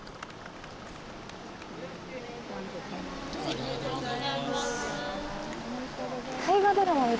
おめでとうございます。